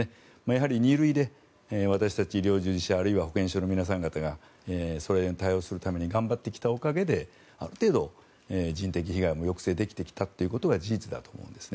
やはり２類で私たち医療従事者あるいは保健所の皆さん方がそれに対応するために頑張ってきたおかげである程度、人的被害も抑制できてきたことは事実だと思います。